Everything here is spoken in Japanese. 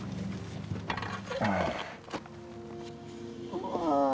うわ！